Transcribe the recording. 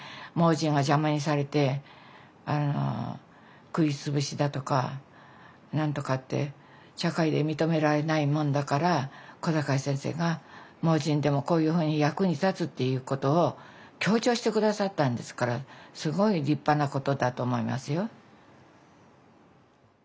盲人は邪魔にされて食い潰しだとか何とかって社会で認められないもんだから小坂井先生が盲人でもこういうふうに役に立つっていうことを強調して下さったんですからすごい立派なことだと思いますよ。